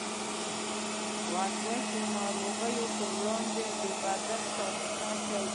ورزش د نارغيو پر وړاندې د بدن ساتنه کوي.